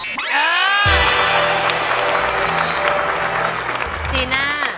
โทรหาคนรู้จัก